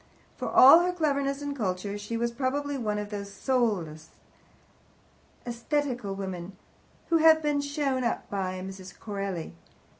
For all her cleverness and culture, she was probably one of those soulless, atheistical women who have been so shown up by Miss Corelli.